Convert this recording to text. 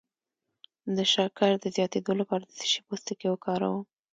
د شکر د زیاتیدو لپاره د څه شي پوستکی وکاروم؟